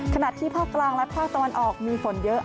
ขณะที่ภาคกลางและภาคตะวันออกมีฝนเยอะ